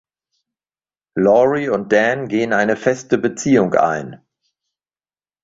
Laurie und Dan gehen eine feste Beziehung ein.